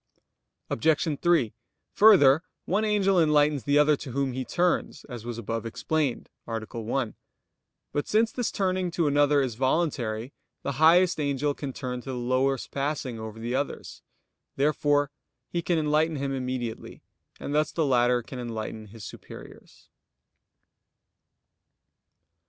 Obj. 3: Further, one angel enlightens the other to whom he turns, as was above explained (A. 1). But since this turning to another is voluntary, the highest angel can turn to the lowest passing over the others. Therefore he can enlighten him immediately; and thus the latter can enlighten his superiors.